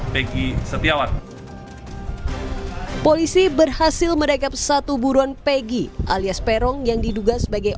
peggy setiawan polisi berhasil merekap satu buruan peggy alias perong yang diduga sebagai